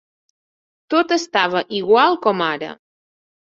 Tot estava igual com ara.